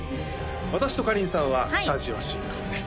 私とかりんさんはスタジオ進行です